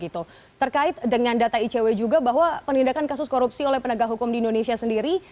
terkait dengan data icw juga bahwa penindakan kasus korupsi oleh penegak hukum di indonesia sendiri